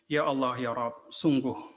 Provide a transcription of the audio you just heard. ya allah ya rab sungguh